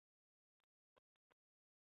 蕨森林是个布里斯本新近发展的市辖区。